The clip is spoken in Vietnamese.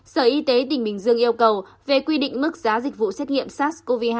sở y tế tỉnh bình dương yêu cầu về quy định mức giá dịch vụ xét nghiệm sars cov hai